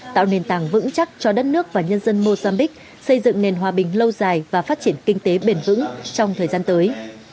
tạo nền tảng vững chắc cho đất nước và nhân dân mozambique xây dựng nền hòa bình lâu dài và phát triển kinh tế bền vững trong thời gian tới